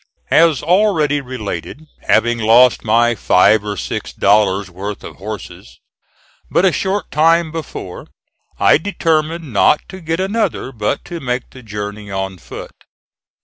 As already related, having lost my "five or six dollars' worth of horses" but a short time before I determined not to get another, but to make the journey on foot.